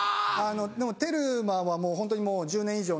でもテルマはホントにもう１０年以上の。